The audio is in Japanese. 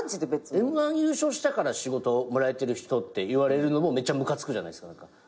Ｍ−１優勝したから仕事もらえてる人って言われるのもムカつくじゃないですか。